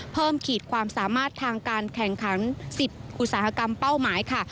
ขีดความสามารถทางการแข่งขัน๑๐อุตสาหกรรมเป้าหมายค่ะ